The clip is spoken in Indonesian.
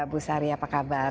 bu sari apa kabar